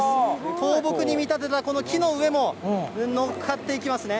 倒木に見立てた、この木の上も乗っかっていきますね。